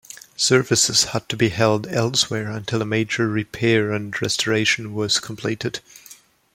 Services had to be held elsewhere until a major repair and restoration was completed.